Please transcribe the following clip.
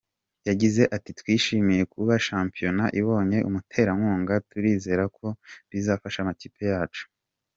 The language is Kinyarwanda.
Yagize ati “ Twishimiye kuba shampiyona ibonye umuterankunga, turizera ko bizafasha amakipe yacu.